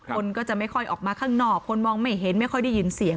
คนก็จะไม่ค่อยออกมาข้างนอกคนมองไม่เห็นไม่ค่อยได้ยินเสียง